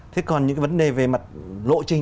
thế còn những cái vấn đề về mặt lộ trình